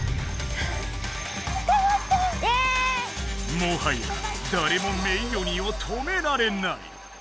もはやだれもメイ鬼を止められない。